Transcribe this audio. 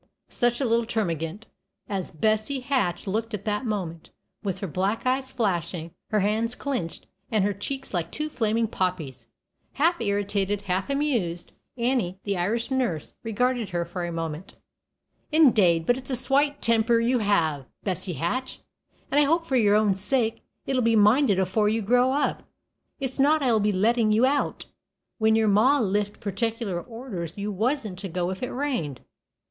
Such a little termagant as Bessie Hatch looked at that moment, with her black eyes flashing, her hands clinched, and her cheeks like two flaming poppies! Half irritated, half amused, Annie, the Irish nurse, regarded her for a moment. "Indade, but it's a swate timper you have, Bessie Hatch; and I hope for your own sake it'll be minded afore you grow up. It's not I will be lettin' you out, when your ma lift particular orders you wasn't to go if it rained.